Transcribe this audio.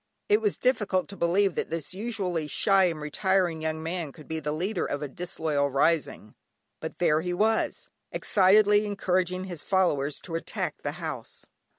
It was difficult to believe that this usually shy and retiring young man could be the leader of a disloyal rising, but there he was, excitedly encouraging his followers to attack the house.